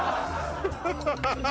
ハハハハ！